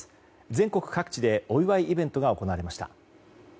全国各地でお祝いイベントが行われました。